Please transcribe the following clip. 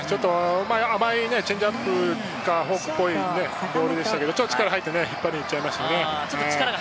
甘いチェンジアップか、フォークっぽいボールでしたけど、力が入って引っ張りにいっちゃいましたね。